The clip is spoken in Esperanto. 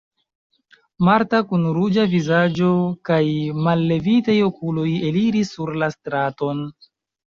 Marta kun ruĝa vizaĝo kaj mallevitaj okuloj eliris sur la straton.